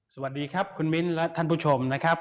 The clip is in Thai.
สวัสดีครับคุณมิ้นและท่านผู้ชมนะครับ